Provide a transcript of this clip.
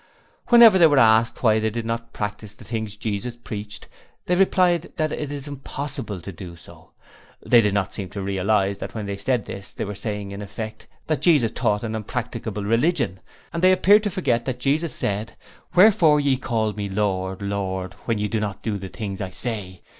Whenever they were asked why they did not practise the things Jesus preached, they replied that it is impossible to do so! They did not seem to realize that when they said this they were saying, in effect, that Jesus taught an impracticable religion; and they appeared to forget that Jesus said, 'Wherefore call ye me Lord, Lord, when ye do not the things I say?...'